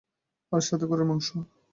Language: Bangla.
আর সাথে গরুর মাংস।